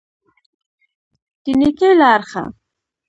د نېکۍ له اړخه.